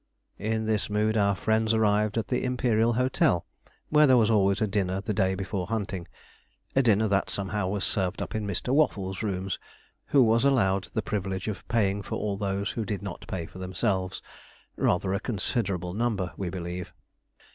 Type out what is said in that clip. In this mood our friends arrived at the Imperial Hotel, where there was always a dinner the day before hunting a dinner that, somehow, was served up in Mr. Waffles's rooms, who was allowed the privilege of paying for all those who did not pay for themselves; rather a considerable number, we believe.